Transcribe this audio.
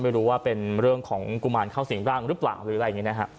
ไม่รู้ว่าเป็นเรื่องของกุมารเข้าสิ่งร่างหรือเปล่าหรืออะไรอย่างนี้นะฮะ